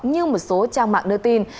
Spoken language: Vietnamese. như một số trang mạng đưa tin